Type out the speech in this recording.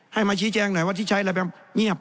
ให้มาชี้แจงหน่อยว่าที่ใช้อะไรไปเงียบ